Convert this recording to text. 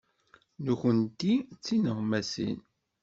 Nekkenti d tineɣmasin.